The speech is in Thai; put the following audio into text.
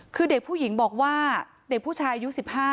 คือเด็กผู้หญิงบอกว่าเด็กผู้ชายอายุ๑๕